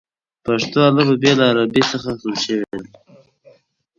پښتو الفبې له عربي څخه اخیستل شوې ده.